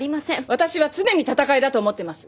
私は常に戦いだと思ってます。